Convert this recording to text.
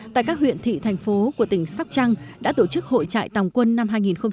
tại các huyện thị thành phố của tỉnh sóc trăng đã tổ chức hội trại tòng quân năm hai nghìn hai mươi